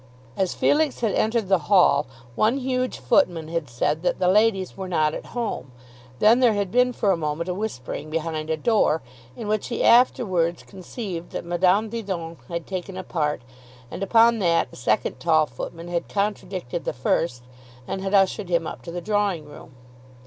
As Felix had entered the hall one huge footman had said that the ladies were not at home; then there had been for a moment a whispering behind a door, in which he afterwards conceived that Madame Didon had taken a part; and upon that a second tall footman had contradicted the first and had ushered him up to the drawing room.